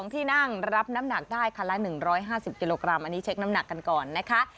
ที่นั่งรับน้ำหนักได้คันละ๑๕๐กิโลกรัมอันนี้เช็คน้ำหนักกันก่อนนะคะ